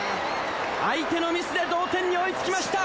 相手のミスで同点に追いつきました。